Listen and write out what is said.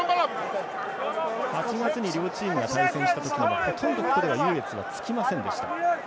８月に両チームが対戦した時もほとんど優劣はつきませんでした。